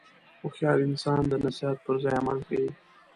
هوښیار انسان د نصیحت پر ځای عمل ښيي.